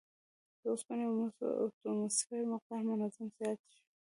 د اوسپنې او مسو اتوموسفیري مقدار منظم زیات شوی